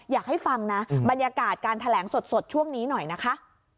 อยากให้ฟังนะบรรยากาศการแถลงสดช่วงนี้หน่อยนะคะ